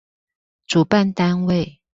主辦單位